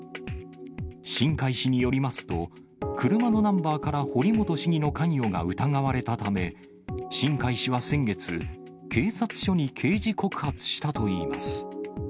新開氏によりますと、車のナンバーから堀本市議の関与が疑われたため、新開氏は先月、警察署に刑事告発したといいます。